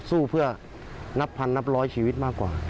สู้เพื่อนับพันนับร้อยชีวิตมากกว่า